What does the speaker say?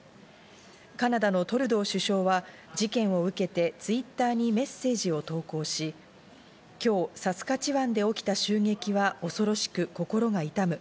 カナダのトルドー首相は事件を受けてＴｗｉｔｔｅｒにメッセージを投稿し、今日サスカチワンで起きた襲撃は恐ろしく心が痛む。